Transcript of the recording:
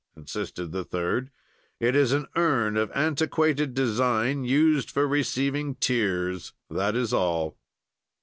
insisted the third, 'it is an urn of antiquated design used for receiving tears; that is all.'